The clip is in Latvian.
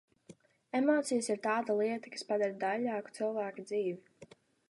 Emocijas ir tāda lieta, kas padara daiļāku cilvēka dzīvi.